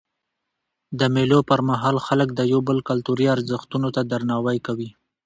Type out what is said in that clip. د مېلو پر مهال خلک د یو بل کلتوري ارزښتو ته درناوی کوي.